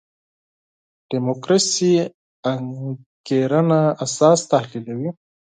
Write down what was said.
دیموکراسي انګېرنه اساس تحلیلوي.